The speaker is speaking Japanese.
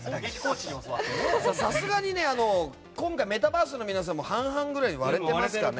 さすがに今回メタバースの皆さんも半々ぐらいに割れてますかね。